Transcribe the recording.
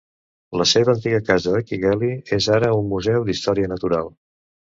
La seva antiga casa a Kigali és ara un museu d'història natural.